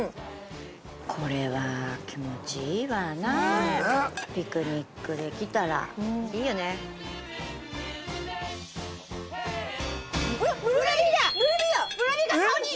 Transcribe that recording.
これは気持ちいいわなピクニックで来たらいいよねうわっブルービーだ！